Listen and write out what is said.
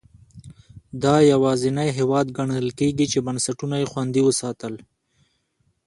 دا یوازینی هېواد ګڼل کېږي چې بنسټونه یې خوندي وساتل.